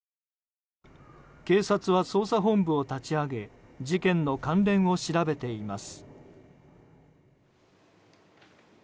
警察は捜査本部を立ち上げ事件の関連を調べています。